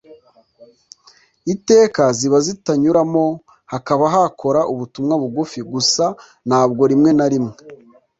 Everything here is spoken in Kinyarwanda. iteka ziba zitanyuramo hakaba hakora ubutumwa bugufi gusa nabwo rimwe na rimwe